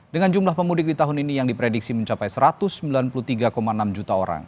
dengan jumlah pemudik di tahun ini yang diprediksi mencapai satu ratus sembilan puluh tiga enam juta orang